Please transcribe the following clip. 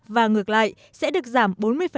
và ngược lại sẽ được giảm bốn mươi